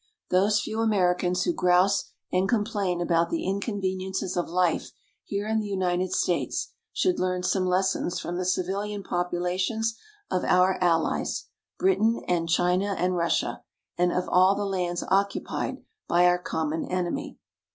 Those few Americans who grouse and complain about the inconveniences of life here in the United States should learn some lessons from the civilian populations of our Allies Britain, and China, and Russia and of all the lands occupied by our common enemy.